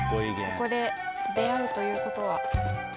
ここで出会うということは。